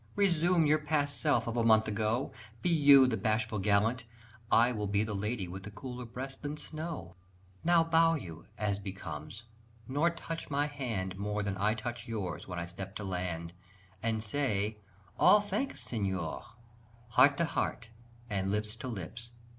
Resume your past self of a month ago! Be you the bashful gallant, I will be The lady with the colder breast than snow: Now bow you, as becomes, nor touch my hand More than I touch yours when I step to land, And say, "All thanks, Siora!" Heart to heart, And lips to lips!